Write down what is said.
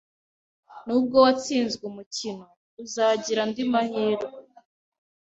Nubwo watsinzwe umukino, uzagira andi mahirwe.